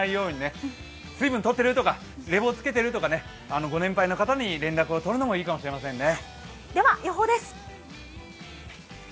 水分とってる？とか冷房つけてる？とか、ご年配の方に連絡を取るのもいいかもしれませんね。